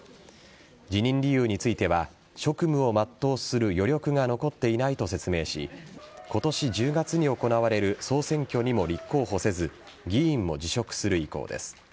辞任理由については職務を全うする余力が残っていないと説明し今年１０月に行われる総選挙にも立候補せず議員も辞職する意向です。